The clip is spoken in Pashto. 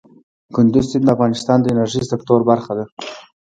کندز سیند د افغانستان د انرژۍ سکتور برخه ده.